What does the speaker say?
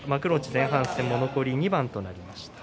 前半戦も残り２番となりました。